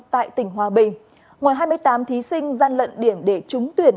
tại tỉnh hòa bình ngoài hai mươi tám thí sinh gian lận điểm để trúng tuyển